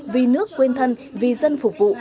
vì nước quên thân vì dân phục vụ